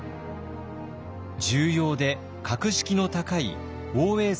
重要で格式の高い応永